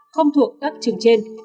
không thuộc các trường trên